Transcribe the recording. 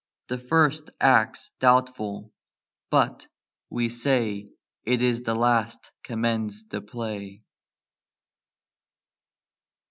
The first act's doubtful, but (we say) It is the last commends the Play.